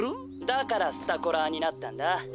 「だからスタコラーになったんだ。